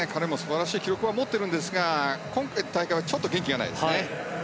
彼も素晴らしい記録は持っているんですが今回はちょっと元気がないですね。